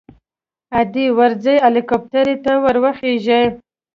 ادې ورځي هليكاپټر ته ورخېژي.